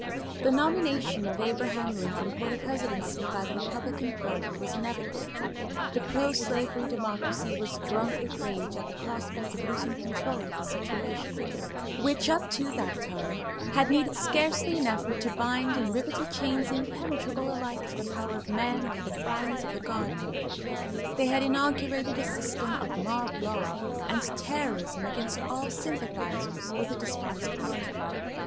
The nomination of Abraham Lincoln for the presidency by the Republican party was inevitable. The proslavery Democracy was drunk with rage at the prospect of losing control of the situation, which, up to that time, had needed scarcely an effort to bind in riveted chains impenetrable alike to the power of man or the frowns of the Godhead; they had inaugurated a system of mob law and terrorism against all sympathizers with the despised party.